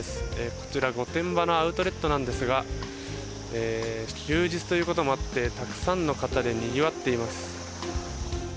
こちら、御殿場のアウトレットなんですが休日ということもあってたくさんの方でにぎわっています。